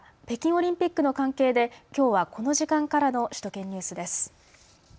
北京オリンピックの関係できょうはこの時間からの首都圏ニュースです。